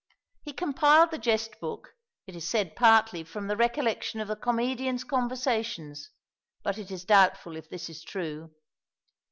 He compiled the Jest Book, it is said partly from the recollection of the comedian's conversations, but it is doubtful if this is true.